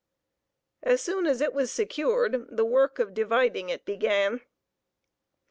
As soon as it was secured the work of dividing it began.